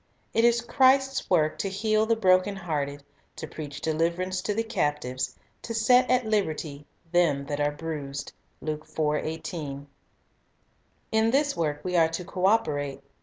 It is Christ's work "to heal the broken hearted, to preach deliverance to the captives, ... to set at liberty them that are bruised." 1 In this work we are to co operate.